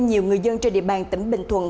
nhiều người dân trên địa bàn tỉnh bình thuận